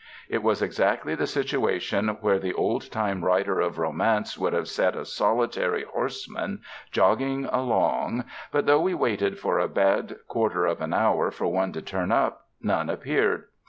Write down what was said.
It was exactly the situation where the old time writer of romance would have set "a solitary horseman" jogging along, but though we waited for a bad quarter of an hour for one to turn up, none appeared.